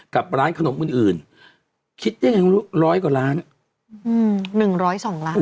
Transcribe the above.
กับร้านขนมอื่นอื่นคิดได้ยังไงลูกร้อยกว่าร้านอืมหนึ่งร้อยสองล้าน